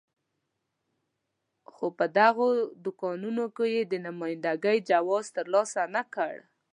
خو په دغو دوکانونو کې یې د نماینده ګۍ جواز ترلاسه نه کړ.